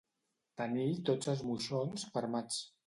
Tenir tots els moixos fermats.